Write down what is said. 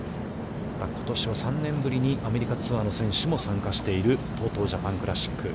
ことしは３年ぶりに、アメリカツアーの選手も参加しているＴＯＴＯジャパンクラシック。